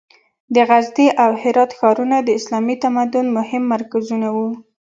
د غزني او هرات ښارونه د اسلامي تمدن مهم مرکزونه وو.